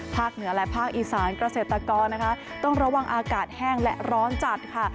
เหนือและภาคอีสานเกษตรกรนะคะต้องระวังอากาศแห้งและร้อนจัดค่ะ